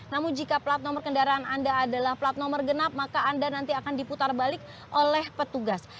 namun jika plat nomor kendaraan anda adalah plat nomor genap maka anda nanti akan diputar balik oleh petugas